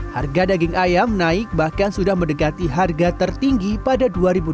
harga daging ayam naik bahkan sudah mendekati harga tertinggi pada dua ribu dua puluh